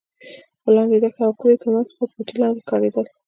خو لاندې دښته او د کلي تر مخ خړ پټي لانده ښکارېدل.